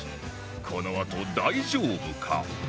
このあと大丈夫か？